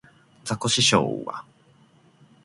ザコシショウは